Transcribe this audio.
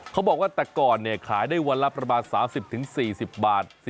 เขาบอกว่าแต่ก่อนขายได้วันละประมาณ๓๐๔๐บาท